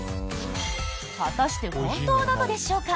果たして、本当なのでしょうか？